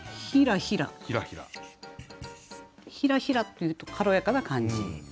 「ひらひら」っていうと軽やかな感じ。